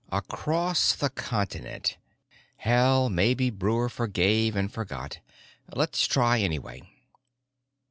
"Across the continent. Hell! Maybe Breuer forgave and forgot. Let's try, anyway."